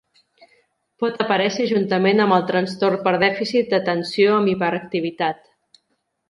Pot aparèixer juntament amb el Trastorn per dèficit d'atenció amb hiperactivitat.